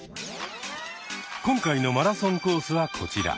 今回のマラソンコースはこちら。